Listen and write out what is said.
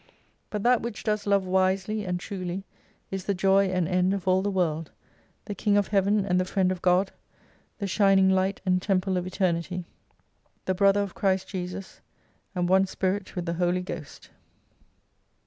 But that which does love wisely and truly is the joy and end of all the world, the King of Heaven, and the Friend of God, the shining Light and Temple of Eternity : The Brother of Christ Jesus, and one Spirit with the Holy Ghost.